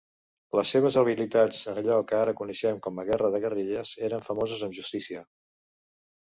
Les seves habilitats en allò que ara coneixem com a guerra de guerrilles eren famoses amb justícia.